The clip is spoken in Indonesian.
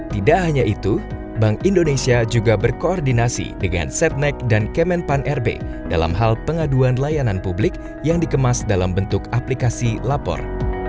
tidak hanya itu bank indonesia juga berkoordinasi dengan setnek dan kemenpan rb dalam hal pengaduan layanan publik yang dikemas dalam bentuk aplikasi lapor